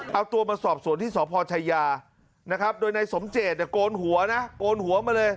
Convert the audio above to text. เอาตัวมาสอบสวนที่สพชายานะครับโดยนายสมเจตเนี่ยโกนหัวนะโกนหัวมาเลย